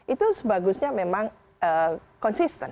itu sebagusnya memang konsisten